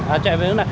à chạy về hướng này